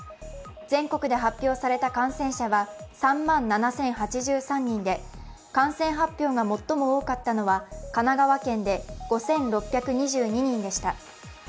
全国で発表された感染者は３万７０８３人で感染発表が最も多かったのは神奈川県で５６２２人でした。